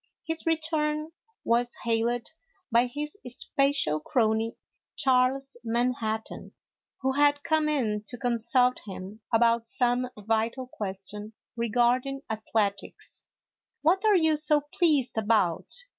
His return was hailed by his special crony, Charles Manhattan, who had come in to consult him about some vital question regarding athletics. " What are you so pleased about